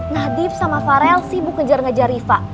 nadif sama farel sibuk ngejar ngejar riva